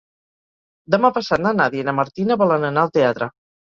Demà passat na Nàdia i na Martina volen anar al teatre.